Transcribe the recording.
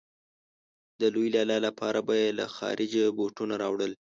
د لوی لالا لپاره به يې له خارجه بوټونه راوړل.